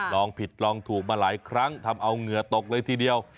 ลองผิดลองถูกมาหลายครั้งทำเอาเหงื่อตกเลยทีเดียว